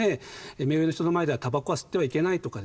目上の人の前ではタバコは吸ってはいけないとかですね